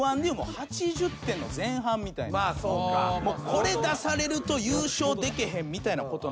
これ出されると優勝でけへんみたいなこと。